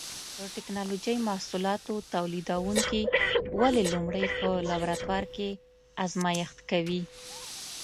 د ټېکنالوجۍ محصولاتو تولیدوونکي ولې لومړی په لابراتوار کې ازمېښت کوي؟